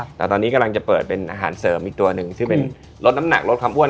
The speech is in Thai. แต่ตอนนี้กำลังจะเปิดเป็นอาหารเสริมอีกตัวหนึ่งซึ่งเป็นลดน้ำหนักลดความอ้วน